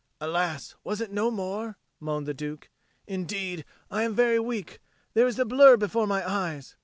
"Alas, was it no more?" moaned the Duke. "Indeed, I am very weak; there is a blur before my eyes.